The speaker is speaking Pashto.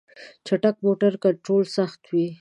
چټک موټر کنټرول سخت وي.